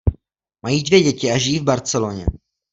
Mají dvě děti a žijí v Barceloně.